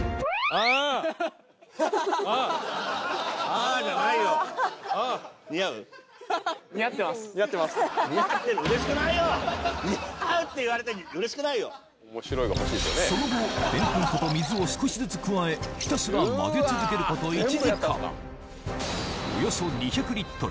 ああっああああっああじゃないよ似合うって言われて嬉しくないよその後でんぷん粉と水を少しずつ加えひたすら混ぜ続けること１時間およそ２００リットル